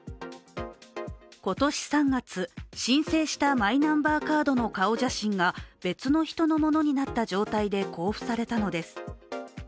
今年３月、申請したマイナンバーカードの顔写真が別の人のものになった状態で交付されたのです